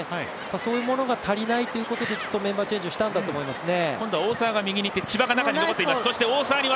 そういうところが足りないってこてでちょっとメンバーチェンジをしたんだと思いますね。